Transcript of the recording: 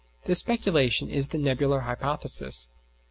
This speculation is the "Nebular hypothesis."